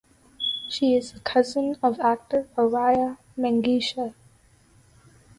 She is the cousin of actor Araya Mengesha.